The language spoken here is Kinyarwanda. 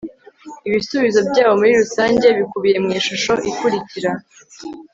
Ibisubizo byabo muri rusange bikubiye mu ishusho ikurikira